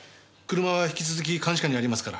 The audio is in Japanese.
車は引き続き監視下にありますから。